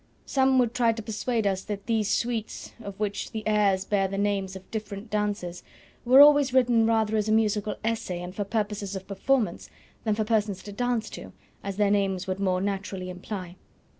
Some would try to persuade us that these suites, of which the airs bear the names of different dances, were always written rather as a musical essay and for purposes of performance than for persons to dance to, as their names would more naturally imply.